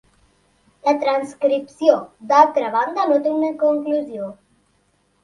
La transcripció, d'altra banda, no té una conclusió.